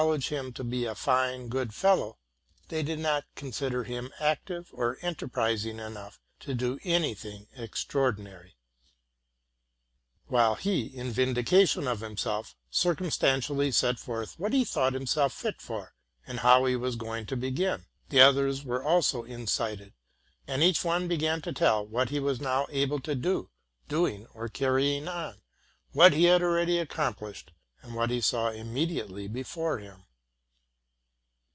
l edge him to be a fine, good fellow, they did not consider him active or enterprising enough to do any thing extraordinary. While he, in vindication of 'himself, circumstantially set forth what he thought himself fit for, and how he was going to begin, the others were also incited; and each one began to tell what he was now able to do, doing, or carrying on, what he had already accomplished, and what he saw immediately before him.